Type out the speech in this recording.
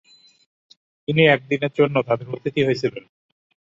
তিনি একদিনের জন্যে তাদের অতিথি হয়েছিলেন।